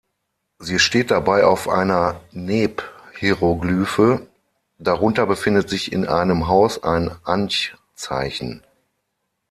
Sie steht dabei auf einer "Neb"-Hieroglyphe; darunter befindet sich in einem Haus ein Anch-Zeichen.